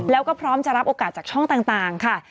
แล้วก็พร้อมจะรับโอกาสจากช่องต่างค่ะ